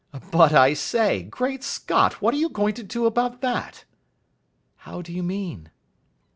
"But I say, Great Scott, what are you going to do about that?" "How do you mean?"